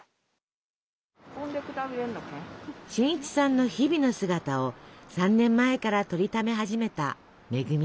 俊一さんの日々の姿を３年前から撮りため始めた恵さん。